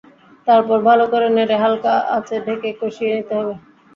তারপর ভালো করে নেড়ে হালকা আঁচে ঢেকে কষিয়ে নিতে হবে।